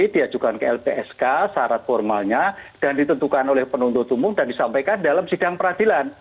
diajukan ke lpsk syarat formalnya dan ditentukan oleh penuntut umum dan disampaikan dalam sidang peradilan